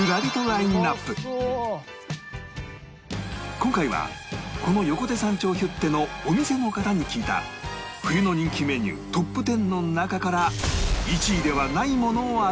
今回はこの横手山頂ヒュッテのお店の方に聞いた冬の人気メニュートップ１０の中から１位ではないものを当てていただきます